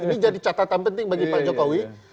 ini jadi catatan penting bagi pak jokowi